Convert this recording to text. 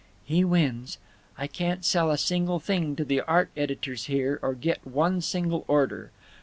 He wins. I can't sell a single thing to the art editors here or get one single order.